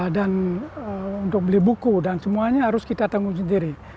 dan untuk beli buku dan semuanya harus kita tanggung sendiri